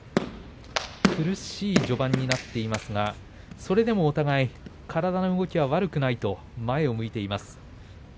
苦しい序盤になっていますがそれでもお互い体の動きは悪くないと前を向いています。